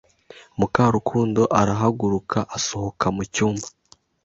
Mukarukundo arahaguruka asohoka mu cyumba.